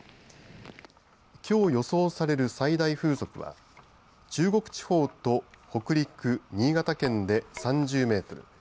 きょう予想される最大風速は中国地方と北陸新潟県で３０メートル。